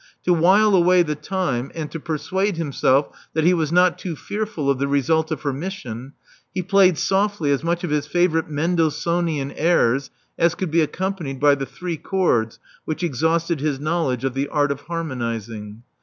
To while away the time and to persuade himself that he was not too fear ful of the result of her mission, he played softly as much of his favorite Mendelssohnian airs as could be accompanied by the three chords which exhausted his knowled^^e of the art of harmonizing.